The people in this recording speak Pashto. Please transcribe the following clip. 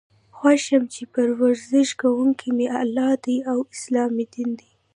خوښ یم چې پر ورش کوونکی می الله دی او اسلام می دین دی.